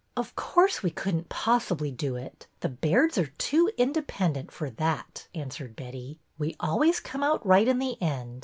'' Of course we could n't possibly do it. The Bairds are too independent for that," answered Betty. ''We always come out right in the end.